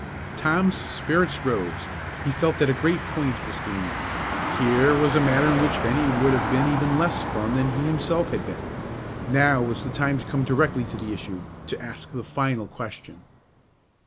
Tom's spirits rose; he felt that a great point was gained. Here was a matter in which Bennie would have been even less firm than he himself had been. Now was the time to come directly to the issue, to ask the final question.